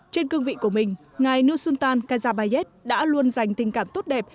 trên cương vị của mình ngài nusultan nazarbayev đã luôn dành tình cảm tốt đẹp